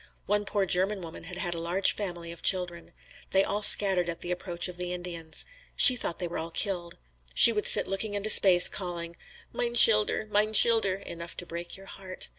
One poor German woman had had a large family of children. They all scattered at the approach of the Indians. She thought they were all killed. She would sit looking into space, calling, "Mine schilder! Mine schilder!" enough to break your heart.